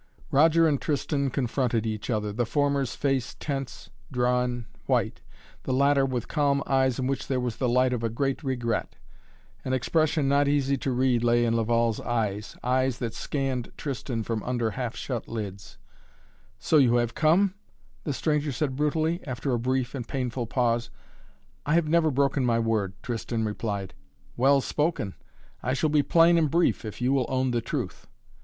Roger and Tristan confronted each other, the former's face tense, drawn, white; the latter with calm eyes in which there was the light of a great regret. An expression not easy to read lay in Laval's eyes, eyes that scanned Tristan from under half shut lids. "So you have come?" the stranger said brutally, after a brief and painful pause. "I have never broken my word," Tristan replied. "Well spoken! I shall be plain and brief, if you will own the truth."